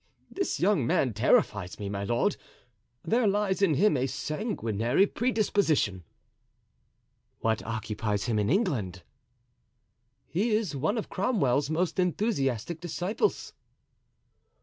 This young man terrifies me, my lord; there lies in him a sanguinary predisposition." "What occupies him in England?" "He is one of Cromwell's most enthusiastic disciples."